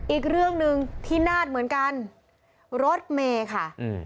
อีกเรื่องนึงที่นาดเหมือนกันรถเมฆค่ะ